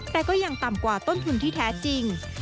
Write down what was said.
แต่ก็ยังต่ำกว่าต้นทุนที่แท้จริง